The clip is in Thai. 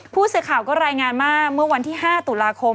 ผู้สื่อข่าวก็รายงานว่าเมื่อวันที่๕ตุลาคม